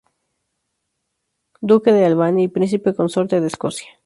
Duque de Albany y Príncipe consorte de Escocia.